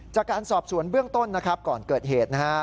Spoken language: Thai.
จากการสอบสวนเบื้องต้นนะครับก่อนเกิดเหตุนะฮะ